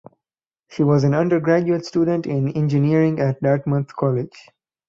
She was an undergraduate student in engineering at Dartmouth College.